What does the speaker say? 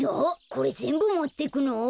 これぜんぶもってくの？